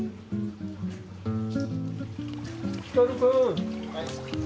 光くん！